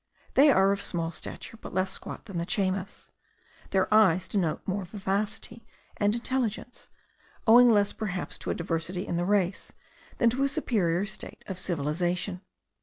They are of small stature, but less squat than the Chaymas; their eyes denote more vivacity and intelligence, owing less perhaps to a diversity in the race, than to a superior state of civilization.